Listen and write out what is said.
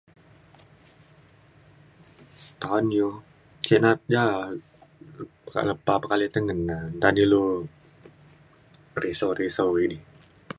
ta’an iu ke na’at ja kak lepa pekalai teneng na nta na ilu risau risau idi